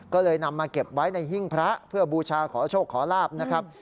ก็เลยนำมาเก็บไว้ในหิ้งพระเพื่อบูชาขอโชคขอลาบนะครับ